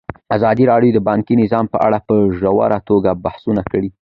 ازادي راډیو د بانکي نظام په اړه په ژوره توګه بحثونه کړي.